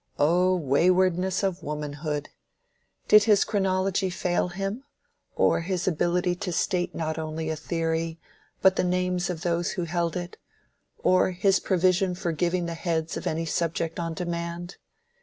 Oh waywardness of womanhood! did his chronology fail him, or his ability to state not only a theory but the names of those who held it; or his provision for giving the heads of any subject on demand?